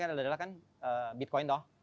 adalah kan bitcoin toh